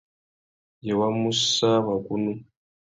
Yê wa mú sã wagunú ?